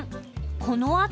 このあと。